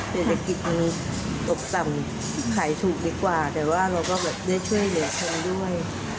เศรษฐกิจมันตกต่ำขายถูกดีกว่าแต่ว่าเราก็แบบได้ช่วยเหลือเขาด้วย